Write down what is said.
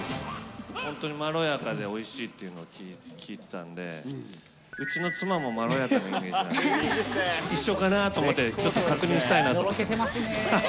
本当にまろやかでおいしいというのを聞いてたんで、うちの妻もまろやかなイメージなんで、一緒かなと思って、ちょっと確認したいなと思ってます。